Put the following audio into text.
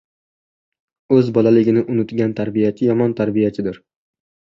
O‘z bolaligini unutgan tarbiyachi yomon tarbiyachidir.